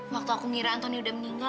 waktu aku ngira antoni udah meninggal